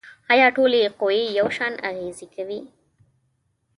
آیا ټولې قوې یو شان اغیزې کوي؟